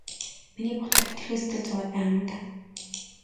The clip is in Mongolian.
Миний бодоход хэтэрхий сэтгэл зовоод байгаа юм уу даа.